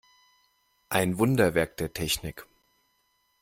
Ein Wunderwerk der Technik.